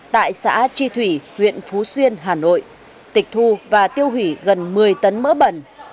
tại xã tri thủy huyện phú xuyên hà nội tịch thu và tiêu hủy gần một mươi tấn mỡ bẩn